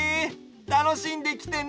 たのしんできてね。